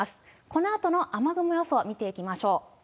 このあとの雨雲予想、見ていきましょう。